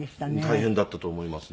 大変だったと思いますね。